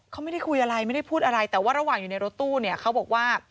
เขาไม่ได้คุยอะไรไม่ได้พูดอะไรแต่ว่าระหว่างอยู่ในรถตู้เนี่ยเขาบอกว่า